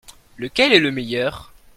Lequel est le meilleur ?